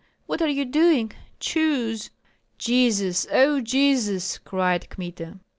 What are you doing? Choose!" "Jesus! O Jesus!" cried Kmita.